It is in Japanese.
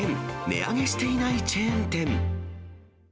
値上げしていないチェーン店。